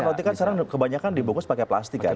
roti kan sekarang kebanyakan dibungkus pakai plastik kan